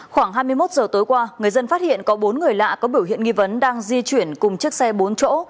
khoảng hai mươi một giờ tối qua người dân phát hiện có bốn người lạ có biểu hiện nghi vấn đang di chuyển cùng chiếc xe bốn chỗ